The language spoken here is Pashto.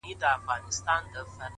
بریالی انسان عذرونه نه لټوي،